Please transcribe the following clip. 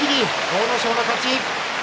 阿武咲の勝ち